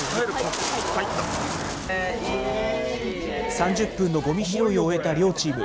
３０分のごみ拾いを終えた両チーム。